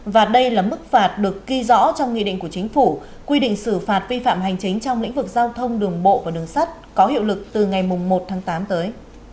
và đây là mức phạt được ghi rõ trong nghị định của chính phủ quy định xử phạt vi phạm hành chính trong lĩnh vực giao thông đường bộ và đường sắt có hiệu lực từ ngày một tháng tám tới